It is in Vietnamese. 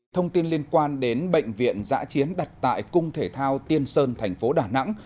thông tin liên quan đến bệnh viện giã chiến đặt tại cung thể thao tiên sơn thành phố đà nẵng